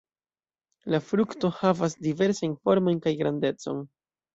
La frukto havas diversajn formojn kaj grandecon.